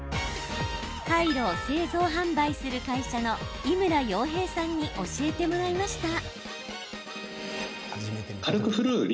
カイロを製造販売する会社の猪村洋平さんに教えてもらいました。